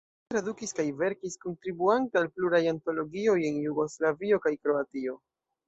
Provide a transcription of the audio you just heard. Li tradukis kaj verkis, kontribuante al pluraj antologioj en Jugoslavio kaj Kroatio.